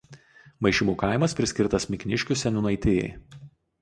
Maišymų kaimas priskirtas Mikniškių seniūnaitijai.